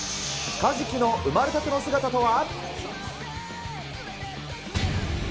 カジキの生まれたての姿とは。